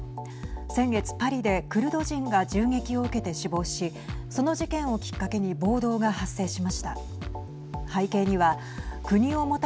先月パリでクルド人が銃撃を受けて死亡しその事件をきっかけに暴動が発生しました。